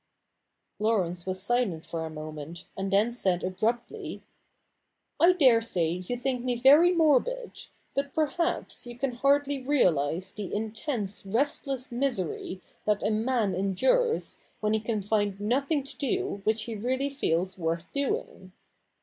Laurence was silent for a moment, and then said abruptly :—' I dare say you think me very morbid ; but perhaps you can hardly realise the intense restless misery that a man endures when he can find nothing to do which he really feels worth doing.